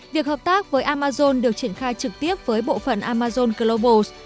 việc hợp tác với amazon được triển khai trực tiếp với bộ phận amazon globals